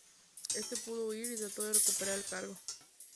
Este pudo huir y trató de recuperar el cargo.